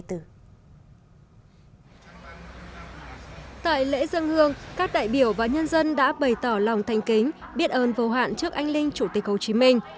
tại lễ dân hương các đại biểu và nhân dân đã bày tỏ lòng thanh kính biết ơn vô hạn trước anh linh chủ tịch hồ chí minh